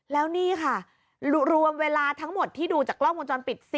แล้วนี่ค่ะรวมเวลาทั้งหมดที่ดูจากกล้องวงจรปิด